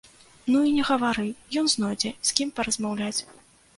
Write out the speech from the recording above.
Ну і не гавары, ён знойдзе, з кім паразмаўляць.